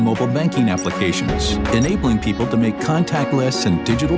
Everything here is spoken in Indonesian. melalui banyak aplikasi uang uang dan uang mobil